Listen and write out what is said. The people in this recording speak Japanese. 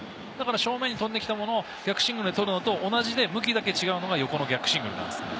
正面に飛んできたものを逆シングルで取るのと同じのを向きが違うのが横のシングルです。